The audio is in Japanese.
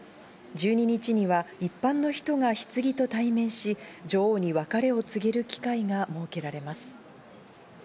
１２日には一般の人がひつぎと対面し、女王に別れを告げる機会が設けられます。